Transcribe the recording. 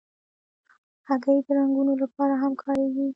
هګۍ د رنګونو لپاره هم کارېږي.